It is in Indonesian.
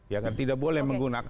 ya kan tidak boleh menggunakan